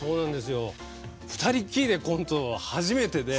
２人きりでコント初めてで。